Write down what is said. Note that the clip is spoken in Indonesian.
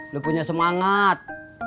lo punya semangat